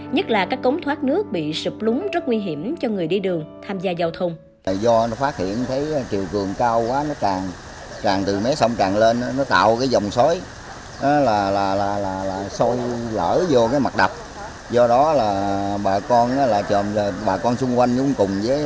nhất là các cống thoát nước bị sụp lúng rất nguy hiểm cho người đi đường tham gia giao thông